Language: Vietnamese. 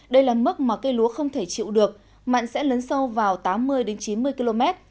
đây là mức mà cây lúa không thể chịu được mặn sẽ lớn sâu vào tám mươi chín mươi km